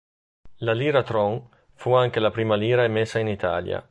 La lira Tron fu anche la prima lira emessa in Italia.